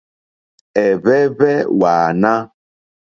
Ɛ̀hwɛ́hwɛ́ wààná.